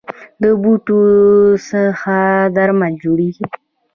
د بوټو څخه درمل جوړیدل